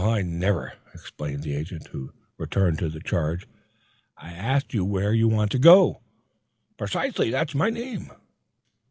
"Well, I never," exclaimed the agent, who returned to the charge. "I asked you where you wanted to go?" "Precisely; that's my name."